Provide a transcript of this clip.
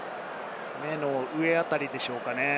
目の上あたりでしょうかね。